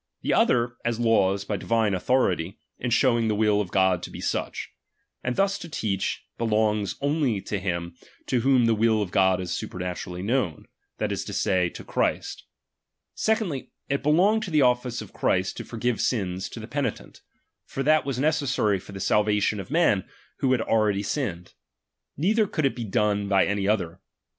The other, as laws, by divine authority, in showing — the will of God to be such ; and thus to teach, be longs only to him to whom the will of God is supernaturally known, that is to say, to Christ, Secondly, it belonged to the office of Christ to forgive sins to the penitent ; for that was necessary for the salvation of men who had already sinned. Neither could it be done by any other.